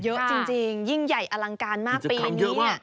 เยอะจริงยิ่งใหญ่อลังการมากปีนี้